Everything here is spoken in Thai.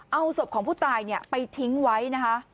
เอาศพของผู้ตายไปทิ้งไว้นะคะ